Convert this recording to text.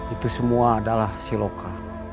itu semua adalah siloka